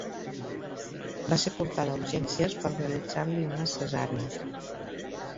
Va ser portada a urgències per realitzar-li una cesària.